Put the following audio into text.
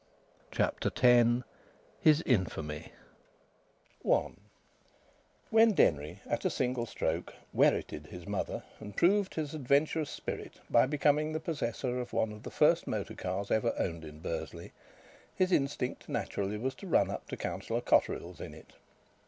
CHAPTER X HIS INFAMY I When Denry at a single stroke "wherreted" his mother and proved his adventurous spirit by becoming the possessor of one of the first motor cars ever owned in Bursley, his instinct naturally was to run up to Councillor Cotterill's in it.